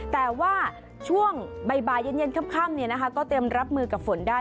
แต่ว่าช่วงบ่ายเย็นค่ำก็เตรียมรับมือกับฝนได้